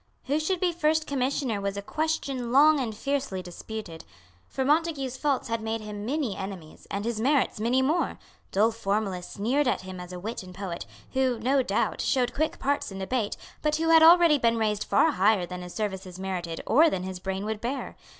Who should be First Commissioner was a question long and fiercely disputed. For Montague's faults had made him many enemies, and his merits many more, Dull formalists sneered at him as a wit and poet, who, no doubt, showed quick parts in debate, but who had already been raised far higher than his services merited or than his brain would bear.